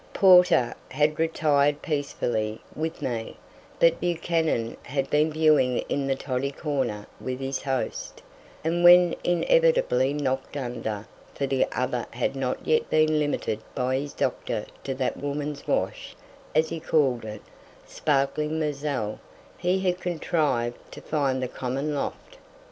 Porter had retired peacefully with me, but Buchanan had been vieing in the toddy corner with his host, and when inevitably knocked under for the other had not yet been limited by his doctor to that woman's wash, as he called it, sparkling moselle he had contrived to find the common loft.